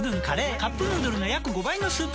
「カップヌードル」の約５倍のスープコスト！